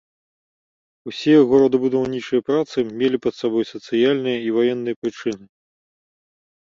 Усе горадабудаўнічыя працы мелі пад сабой сацыяльныя і ваенныя прычыны.